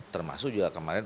termasuk juga kemarin